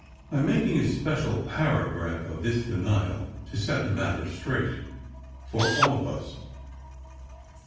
I am making a special paragraph of this denial to set the matter straight—for all of us.